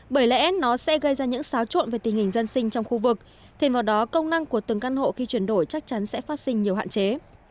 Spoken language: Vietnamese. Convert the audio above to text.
bởi lẽ nó sẽ gây ra những xáo trộn về tình hình dân sinh trong khu vực thêm vào đó công năng của từng căn hộ khi chuyển đổi chắc chắn sẽ phát sinh nhiều hạn chế